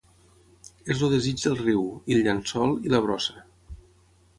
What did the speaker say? És el desig del riu, i el llençol, i la brossa.